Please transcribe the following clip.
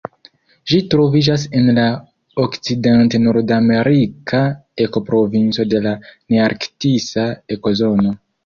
Ĝi troviĝas en la okcident-nordamerika ekoprovinco de la nearktisa ekozono.